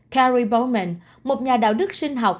kerry bowman một nhà đạo đức sinh học